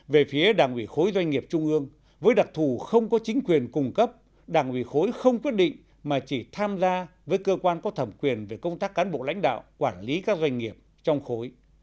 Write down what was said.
về phía đảng ủy khối doanh nghiệp trung ương với đặc thù không có chính quyền cung cấp đảng ủy khối không quyết định mà chỉ tham gia với cơ quan có thẩm quyền về công tác cán bộ lãnh đạo quản lý các doanh nghiệp trong khối